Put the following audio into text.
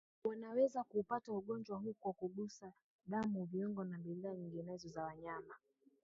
wanaweza kuupata ugonjwa huu kwa kugusa damu viungo na bidhaa nyinginezo za wanyama